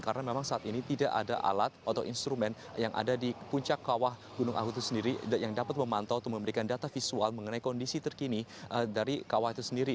karena memang saat ini tidak ada alat atau instrumen yang ada di puncak kawah gunung agung itu sendiri yang dapat memantau atau memberikan data visual mengenai kondisi terkini dari kawah itu sendiri